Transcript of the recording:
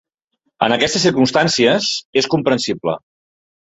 En aquestes circumstàncies, és comprensible.